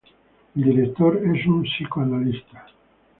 El director es un psicoanalista.